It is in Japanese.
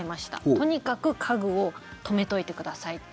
とにかく家具を留めといてください。